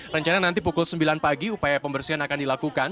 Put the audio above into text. rencana nanti pukul sembilan pagi upaya pembersihan akan dilakukan